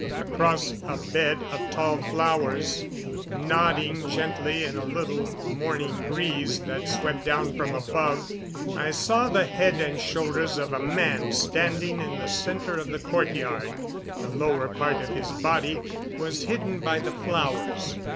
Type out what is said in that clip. Across a bed of tall flowers, nodding gently in a little morning breeze that swept down from above, I saw the head and shoulders of a man standing in the center of the courtyard; the lower part of his body was hidden by the flowers.